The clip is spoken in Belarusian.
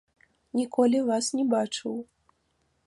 Ніколі вас не бачыў.